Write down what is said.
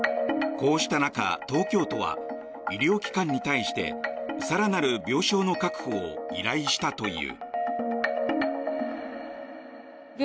こうした中、東京都は医療機関に対して更なる病床の確保を依頼したという。